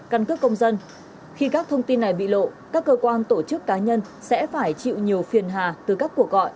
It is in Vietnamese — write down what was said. căn cước công dân khi các thông tin này bị lộ các cơ quan tổ chức cá nhân sẽ phải chịu nhiều phiền hà từ các cuộc gọi